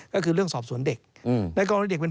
ก็คือเรื่องสอบสวนเด็กในกรณีเด็กเป็น